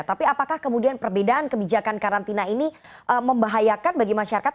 tapi apakah kemudian perbedaan kebijakan karantina ini membahayakan bagi masyarakat